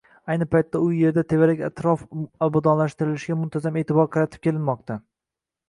Ayni paytda bu erda tevarak-atrof obodonlashtirilishiga muntazam e`tibor qaratib kelinmoqda